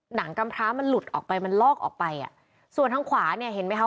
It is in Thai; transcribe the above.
กำพร้ามันหลุดออกไปมันลอกออกไปอ่ะส่วนทางขวาเนี่ยเห็นไหมคะ